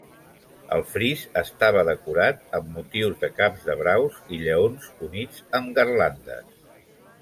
El fris estava decorat amb motius de caps de braus i lleons units amb garlandes.